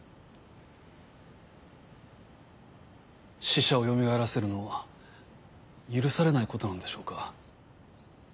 死者をよみがえらせるのは許されないことなんでしょうか？